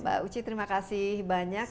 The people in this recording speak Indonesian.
mbak uci terima kasih banyak